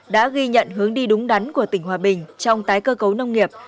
đã ghi nhận hướng đi đúng đắn của tỉnh hòa bình trong tái cơ cấu nông nghiệp